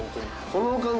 この感じ